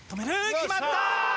決まった！